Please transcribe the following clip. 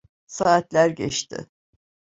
Saatler geçti.